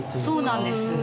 そうなんです。